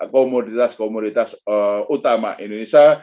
komoditas komoditas utama indonesia